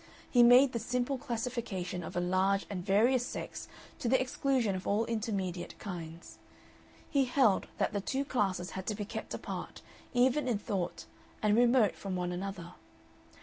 He made this simple classification of a large and various sex to the exclusion of all intermediate kinds; he held that the two classes had to be kept apart even in thought and remote from one another.